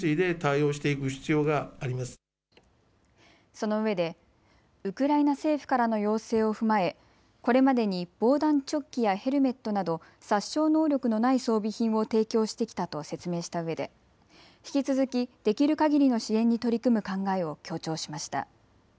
そのうえでウクライナ政府からの要請を踏まえ、これまでに防弾チョッキやヘルメットなど殺傷能力のない装備品を提供してきたと説明したうえで引き続きできるかぎりの支援に取り組む考えを強調しました。